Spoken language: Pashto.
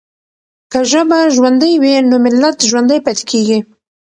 که ژبه ژوندۍ وي نو ملت ژوندی پاتې کېږي.